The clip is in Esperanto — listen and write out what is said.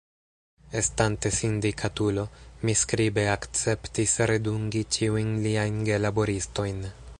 Estante sindikatulo, mi skribe akceptis redungi ĉiujn liajn gelaboristojn.